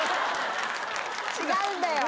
違うんだよ。